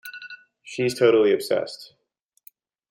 She's totally obsessed.